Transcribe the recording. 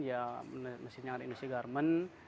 ya mesin yang ada di indonesia garmen